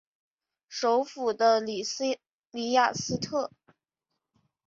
首府的里雅斯特。